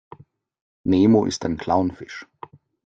Nemo ist ein Clownfisch.